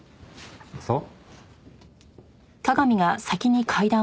そう？